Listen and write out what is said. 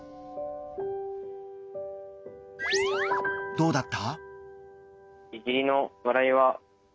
どうだった？